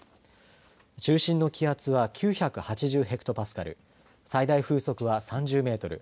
中心の気圧は９８０ヘクトパスカル最大風速は３０メートル